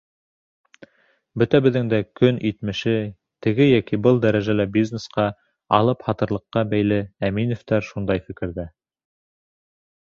Бөтәбеҙҙең дә көнитмеше теге йәки был дәрәжәлә бизнесҡа, алыпһатарлыҡҡа бәйле — Әминевтәр шундай фекерҙә.